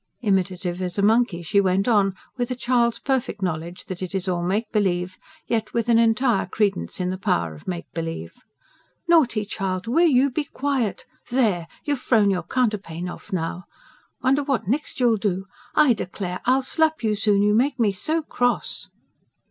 Imitative as a monkey she went on with a child's perfect knowledge that it is all make believe, yet with an entire credence in the power of make believe: "Naughty child WILL you be quiet? There! You've frown your counterpane off now. Wonder what next you'll do. I declare I'll slap you soon you make me so cross."